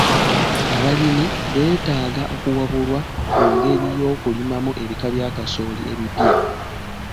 Abalimi beetaaga okuwabulwa ku ngeri y'okulimamu ebika bya kasooli ebipya.